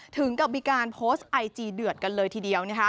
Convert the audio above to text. ถึงกับมีการโพสต์ไอจีเดือดกันเลยทีเดียว